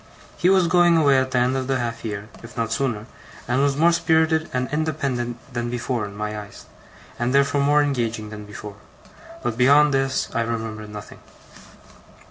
He was going away at the end of the half year, if not sooner, and was more spirited and independent than before in my eyes, and therefore more engaging than before; but beyond this I remember nothing.